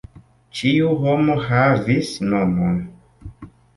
Ĉiu homo havis nomon.